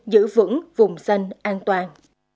giữ vững vùng xanh an toàn